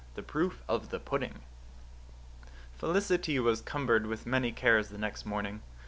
THE PROOF OF THE PUDDING Felicity was cumbered with many cares the next morning.